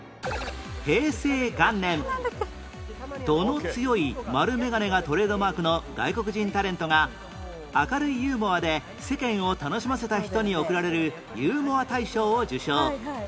平成元年度の強い丸メガネがトレードマークの外国人タレントが明るいユーモアで世間を楽しませた人に贈られるゆうもあ大賞を受賞